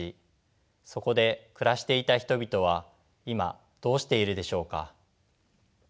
そこで暮らしていた人々は今どうしているでしょうか？